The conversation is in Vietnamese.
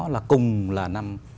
là cùng là năm